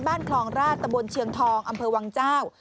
คลองราชตะบนเชียงทองอำเภอวังเจ้า